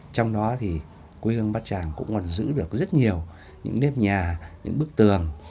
trong đó thì quê hương bát tràng cũng còn giữ được rất nhiều những nếp nhà những bức tường